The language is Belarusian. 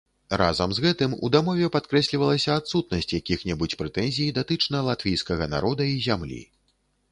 Разам з гэтым, у дамове падкрэслівалася адсутнасць якіх-небудзь прэтэнзій датычна латвійскага народа і зямлі.